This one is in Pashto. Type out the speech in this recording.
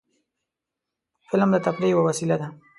فلم د تفریح یوه وسیله ده